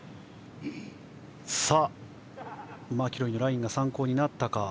マキロイのラインが参考になったか。